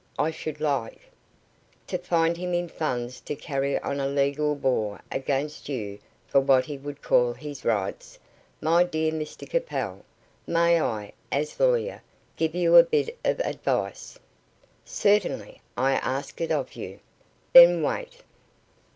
I should like " "To find him in funds to carry on a legal war against you for what he would call his rights. My dear Mr Capel, may I, as lawyer, give you a bit of advice?" "Certainly; I ask it of you." "Then wait."